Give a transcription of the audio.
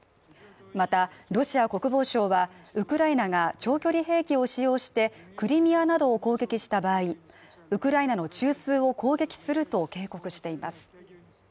また、ロシア国防相はウクライナが長距離兵器を使用してクリミアなどを攻撃した場合、ウクライナの中枢を攻撃すると警告しています